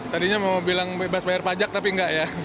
tadinya mau bilang bebas bayar pajak tapi enggak ya